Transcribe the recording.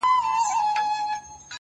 o ماته به بله موضوع پاته نه وي؛